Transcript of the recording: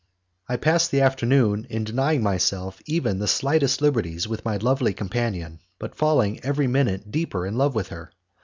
I passed the afternoon, in denying myself even the slightest liberties with my lovely companion, but falling every minute deeper in love with her.